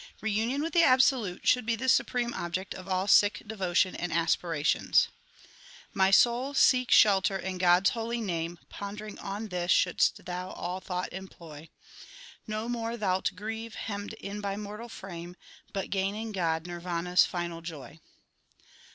Reunion with the Absolute should be the supreme object of all Sikh devotion and aspirations. INTRODUCTION Ixv My soul, seek shelter in God s holy name ; Pondering on this should st thou all thought employ. No more thou lt grieve, hemmed in by mortal frame, But gain in God Nirvana s final joy.